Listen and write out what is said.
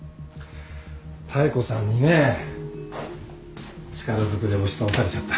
妙子さんにね力ずくで押し倒されちゃった。